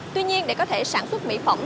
tuy nhiên để có thể sản xuất mỹ phẩm